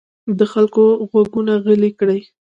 د خلکو غږونه غلي کړي.